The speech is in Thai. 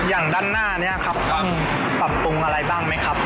อย่างด้านหน้านี้ครับต้องปรับปรุงอะไรบ้างไหมครับ